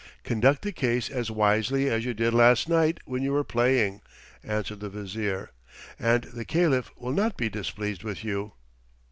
"Conduct the case as wisely as you did last night when you were playing," answered the Vizier, "and the Caliph will not be displeased with you."